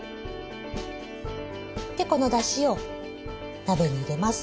このだしを鍋に入れます。